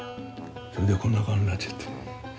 でこんな顔になっちゃって。